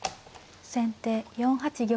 先手４八玉。